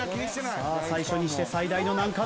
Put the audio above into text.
さあ最初にして最大の難関だ。